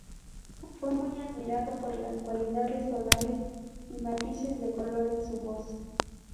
Fue muy admirado por las cualidades tonales y matices de color en su voz.